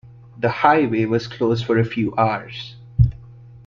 The highway was closed for a few hours.